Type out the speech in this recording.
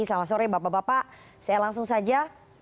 selamat sore bapak bapak saya langsung saja